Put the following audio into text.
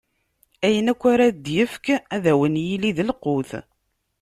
Ayen akk ara d-ifk, ad wen-yili d lqut.